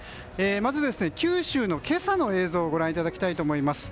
まず九州の今朝の映像をご覧いただきたいと思います。